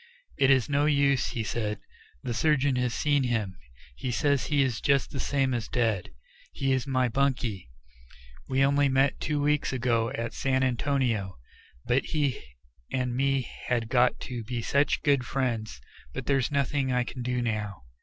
"It is no use," he said; "the surgeon has seen him; he says he is just the same as dead. He is my bunkie; we only met two weeks ago at San Antonio; but he and me had got to be such good friends But there's nothing I can do now."